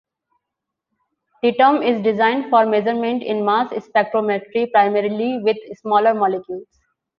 The term is designed for measurements in mass spectrometry primarily with smaller molecules.